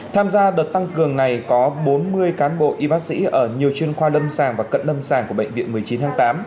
tham gia đợt tăng cường này có bốn mươi cán bộ y bác sĩ ở nhiều chuyên khoa lâm sàng và cận lâm sàng của bệnh viện một mươi chín tháng tám